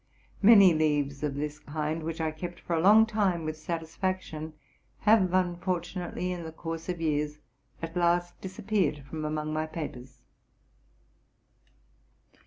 Many leaves of this kind, which I kept for a long time with satisfaction, have unfortu nately, in the course of years, at last disappeared from among my papers.